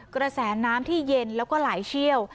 กระแสน้ำที่เย็นแล้วก็ไหลเชี่ยว